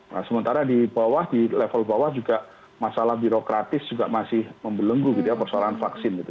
nah sementara di bawah di level bawah juga masalah birokratis juga masih membelenggu gitu ya persoalan vaksin gitu